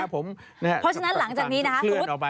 เพราะฉะนั้นหลังจากนี้นะ